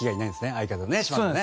相方ね。